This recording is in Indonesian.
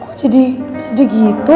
kok jadi jadi gitu